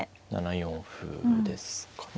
７四歩ですかね。